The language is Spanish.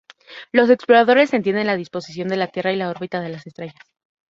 Los exploradores entienden la disposición de la tierra y la órbita de las estrellas.